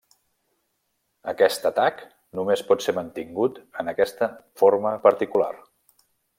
Aquest atac només pot ser mantingut en aquesta forma particular.